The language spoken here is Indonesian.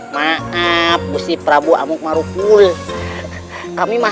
maaf musti prabu amukmarukul kami mah